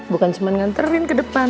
bukan cuma nganterin ke depan